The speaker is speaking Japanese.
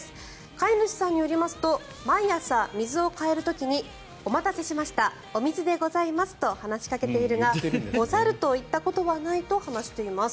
飼い主さんによりますと毎朝水を替える時にお待たせしましたお水でございますと話しかけているが「ござる」と言ったことはないと話しています。